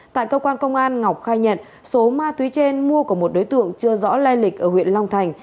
tại cơ quan công an ngọc khai nhận số ma túy trên mua của một đối tượng chưa rõ lai lịch ở huyện long thành